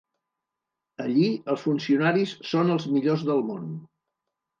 Allí els funcionaris són els millors del món.